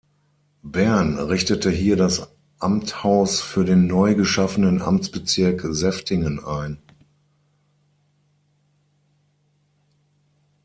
Bern richtete hier das Amthaus für den neu geschaffenen Amtsbezirk Seftigen ein.